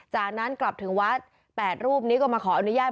จากนั้นกลับถึงวัด๘รูปนี้ก็มาขออนุญาต